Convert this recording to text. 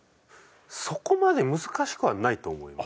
そこまで難しくはないと思います。